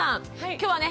今日はね